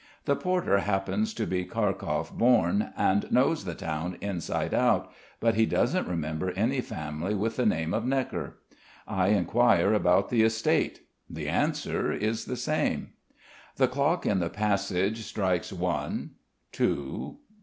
The porter happens to be Kharkov born, and knows the town inside out; but he doesn't remember any family with the name of Gnekker. I inquire about the estate. The answer is the same. The clock in the passage strikes one,... two